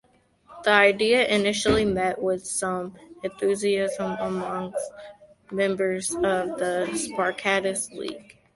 The idea initially met with some enthusiasm amongst members of the Spartacus League.